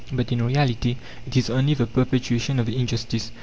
But in reality it is only the perpetuation of injustice.